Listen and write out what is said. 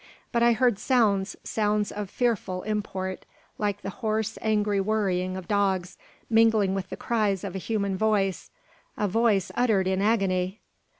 But I heard sounds, sounds of fearful import, like the hoarse, angry worrying of dogs, mingling with the cries of a human voice a voice uttered in agony!